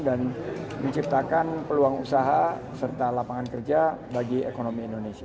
dan menciptakan peluang usaha serta lapangan kerja bagi ekonomi indonesia